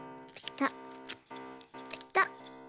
ペタッ。